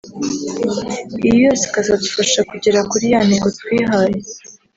iyi yose ikazadufasha kugera kuri ya ntego twihaye